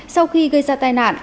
sau khi gây ra tai nạn